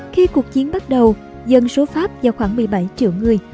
khi cuộc chiến bắt đầu dân số pháp giao khoảng một mươi bảy triệu người